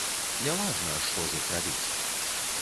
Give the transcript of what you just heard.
Не важна, што з іх рабіць.